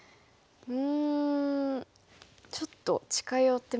うんちょっと近寄ってますかね。